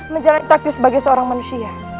menjalani takdir sebagai seorang manusia